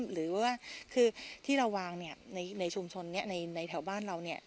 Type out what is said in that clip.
หรือว่าคือที่เราวางเนี่ยในชุมชนในแถวบ้านเราเนี่ย